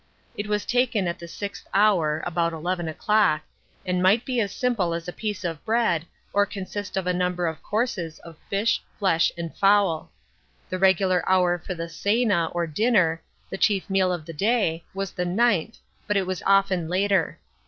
It was taken at the sixth hour (about eleven o'clock), and might be as simple as a piece of bread, or consist of a number of courses of fish, flesh, and fowLf The regular hour for the cena or " dinner," the chief meal of the day, was the ninth, J but it was often later.